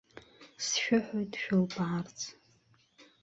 Сшәыҳәоит шәылбаарц!